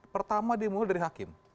pertama dimulai dari hakim